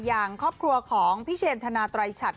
อย่างครอบครัวของพี่เชนธนาไตรฉัด